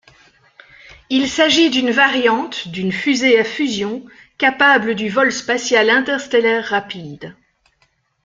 Il s'agit d'une variante d'une fusée à fusion capable du vol spatial interstellaire rapide.